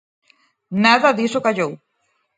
Nada diso callou.